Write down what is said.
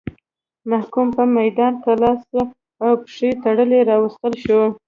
محکوم به میدان ته لاس او پښې تړلی راوستل شو.